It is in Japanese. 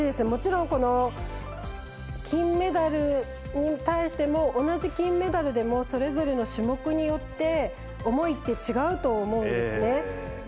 もちろん、金メダルに対しても同じ金メダルでもそれぞれの種目によって思いって違うと思うんですね。